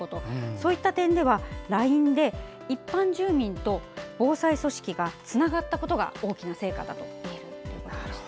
そういった意味ではＬＩＮＥで一般住民と防災組織がつながったことが大きな成果だということです。